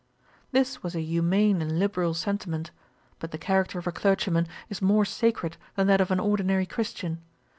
This was a humane and liberal sentiment. But the character of a clergyman is more sacred than that of an ordinary Christian.